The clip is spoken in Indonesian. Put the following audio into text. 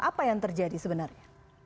apa yang terjadi sebenarnya